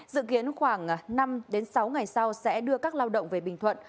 dự kiến khoảng năm sáu ngày sau sẽ đưa các lao động về bình thuận